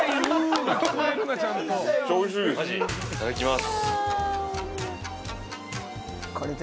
いただきます。